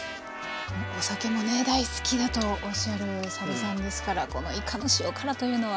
お酒もね大好きだとおっしゃる佐渡さんですからこのいかの塩辛というのは。